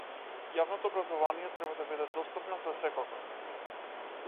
Јавното образование треба да биде достапно за секого.